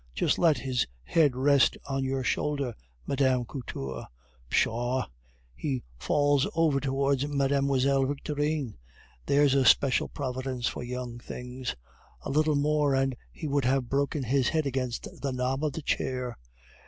Just let his head rest on your shoulder, Mme. Couture. Pshaw! he falls over towards Mlle. Victorine. There's a special providence for young things. A little more, and he would have broken his head against the knob of the chair.